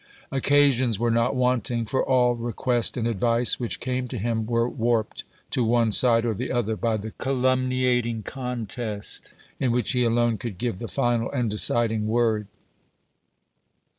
Occasions were not wanting ; for all request and advice which came to him were warped to one side or the other by the culminat ing contest, in which he alone could give the final and deciding word.